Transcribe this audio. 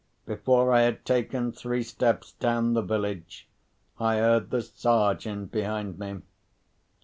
Before I had taken three steps down the village, I heard the Sergeant behind me.